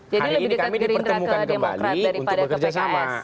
jadi lebih dekat gerindra ke demokrat daripada ke pks